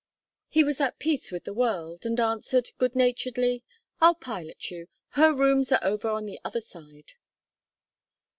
He was at peace with the world, and answered, good naturedly: "I'll pilot you. Her rooms are over on the other side."